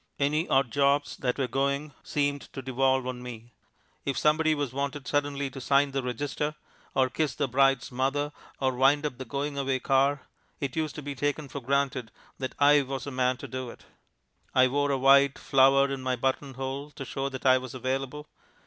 Any odd jobs that were going seemed to devolve on me. If somebody was wanted suddenly to sign the register, or kiss the bride's mother, or wind up the going away car, it used to be taken for granted that I was the man to do it. I wore a white flower in my button hole to show that I was available.